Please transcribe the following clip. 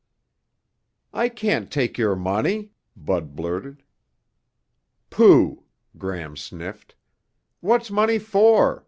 "I can't take your money!" Bud blurted. "Pooh," Gram sniffed. "What's money for?